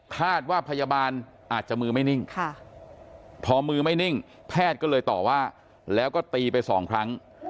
คาดว่าพยาบาลอาจจะมือไม่นิ่งพอมือไม่นิ่งแพทย์ก็เลยต่อว่าแล้วก็ตีไปสองครั้ง